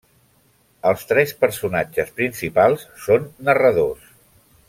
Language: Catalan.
Els tres personatges principals són narradors.